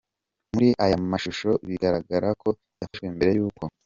Muri aya mashusho bigaragara ko yafashwe mbere y’uko